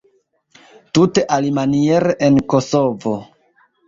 Tute alimaniere en Kosovo.